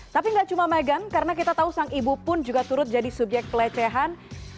tapi nggak cuma meghan karena kita tahu sang ibu pun juga turut jadi subyek pelecehan